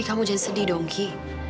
ki kamu jangan sedih dong ki